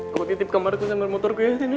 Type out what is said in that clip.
kau titip kamar itu sambil motorku ya tin ya